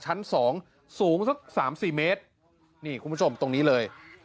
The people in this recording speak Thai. ชั้น๒สูงสัก๓๔เมตรนี่คุณผู้ชมตรงนี้เลย